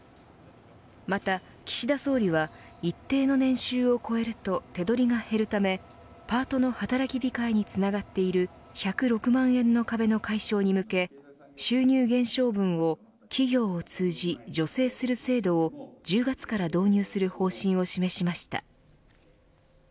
また岸田総理は一定の年収を超えると手取りが減るため、パートの働き控えにつながっている１０６万円の壁の解消に向け収入減少分を企業を通じ助成する制度を１０月から導入する方針を示しました。